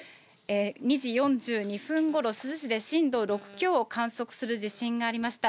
２時４２分ごろ、珠洲市で震度６強を観測する地震がありました。